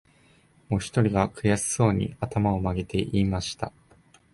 もひとりが、くやしそうに、あたまをまげて言いました